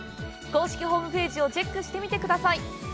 公式ホームページをチェックしてみてください。